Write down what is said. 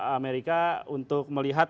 amerika untuk melihat